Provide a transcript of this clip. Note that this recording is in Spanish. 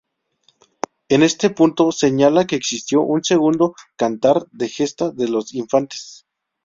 En este punto señala que existió un segundo cantar de gesta de los Infantes.